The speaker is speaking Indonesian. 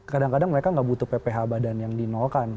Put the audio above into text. kadang kadang mereka tidak butuh pph badan yang dinolakan